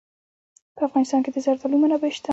په افغانستان کې د زردالو منابع شته.